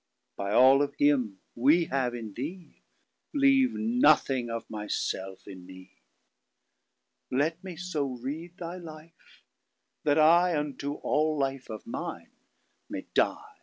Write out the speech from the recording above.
By all of Him we have in Thee; Leave nothing of my Self in me. Let me so read thy life, that IUnto all life of mine may dy.